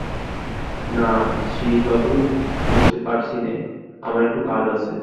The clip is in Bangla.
না শ্রীশবাবু, বসতে পারছি নে, আমার একটু কাজ আছে।